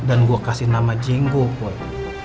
dan gue kasih nama jenggo boy